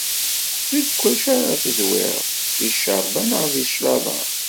Deg wacu ara tezwireḍ, deg ccerba neɣ deg cclaḍa.